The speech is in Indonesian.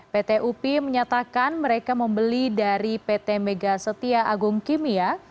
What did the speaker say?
pt upi menyatakan mereka membeli dari pt mega setia agung kimia